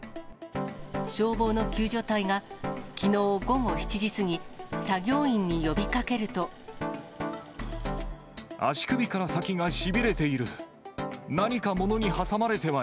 消防の救助隊が、きのう午後７時過ぎ、足首から先がしびれている。